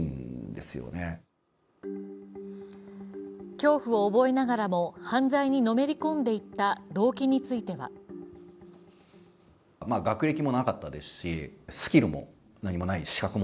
恐怖を覚えながらも犯罪にのめり込んでいった動機については全てはお金。